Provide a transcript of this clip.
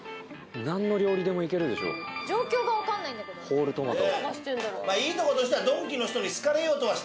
ホールトマト。